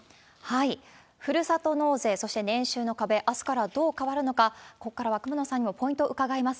ふるさと納税、そして年収の壁、あすからどう変わるのか、ここからは熊野さんにもポイントを伺います。